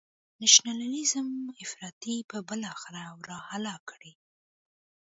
نشنلیزم افراطی به بالاخره او را هلاک کړي.